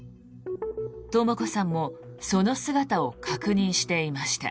とも子さんもその姿を確認していました。